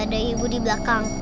ada ibu di belakang